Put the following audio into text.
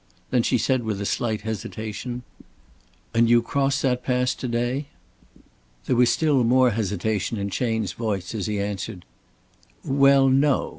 Then she said with a slight hesitation: "And you cross that pass to day?" There was still more hesitation in Chayne's voice as he answered: "Well, no!